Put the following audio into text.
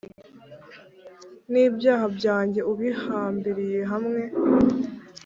N ibyaha byanjye ubihambiriye hamwe